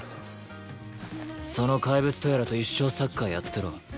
そのかいぶつとやらと一生サッカーやってろ。